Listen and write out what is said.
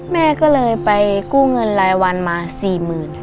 แม่ก็เลยไปกู้เงินรายวันมา๔๐๐๐บาท